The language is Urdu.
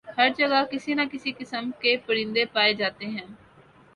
ہر جگہ کسی نہ کسی قسم کے پرندے پائے جاتے ہیں